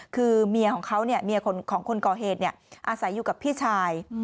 คือเมียของเขาเนี่ยเมียของคนก่อเหตุอาศัยอยู่กับพี่ชาย